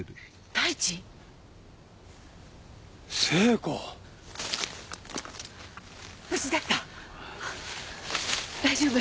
大丈夫？